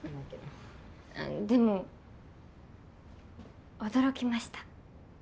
でも驚きました。